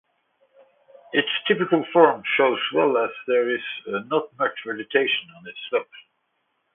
Its typical form shows well as there is not much vegetation on its slopes.